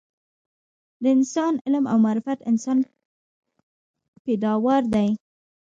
د انسان علم او معرفت انسان پیداوار دي